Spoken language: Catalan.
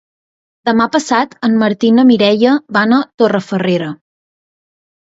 Demà passat en Martí i na Mireia van a Torrefarrera.